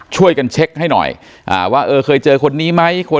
ช่วยกันเช็คให้หน่อยว่าเออเคยเจอคนนี้ไหม